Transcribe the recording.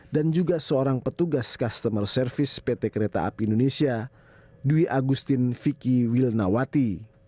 dan juga seorang petugas customer service pt kereta api indonesia dwi agustin vicky wilnawati